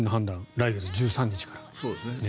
来月１３日から。